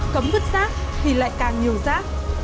cấm vứt rác thì lại càng nhiều rác